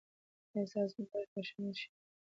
ایا ستاسو ګواښ به شنډ شي؟